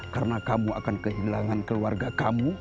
karena kamu akan kehilangan keluarga kamu